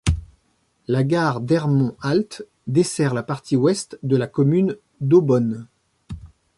La gare d'Ermont Halte dessert la partie Ouest de la commune d'Eaubonne.